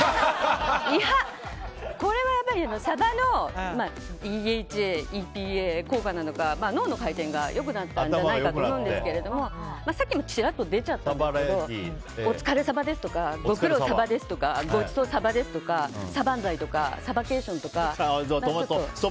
いや、これはサバのＤＨＡ、ＥＰＡ効果なのか脳の回転が良くなったんじゃないかっていうんですけどさっきもちらっと出ちゃったんですがお疲れサバですとかご苦労サバですとかごちそうサバですとかサバンザイとかサバケーションとか。